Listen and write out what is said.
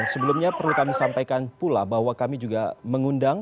sebelumnya perlu kami sampaikan pula bahwa kami juga mengundang